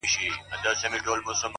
o اول بخښنه درڅه غواړمه زه،